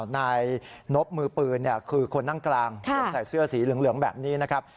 นายนบมือปืนคือคนนั่งกลางคนใส่เสื้อสีเหลืองแบบนี้นะครับ